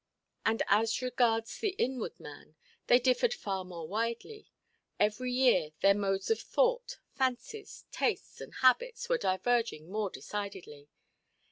And, as regards the inward man, they differed far more widely. Every year their modes of thought, fancies, tastes, and habits, were diverging more decidedly.